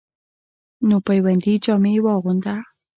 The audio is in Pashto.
نو پیوندي جامې واغوندۀ،